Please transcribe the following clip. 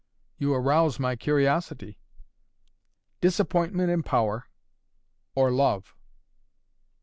"You arouse my curiosity!" "Disappointment in power or love!"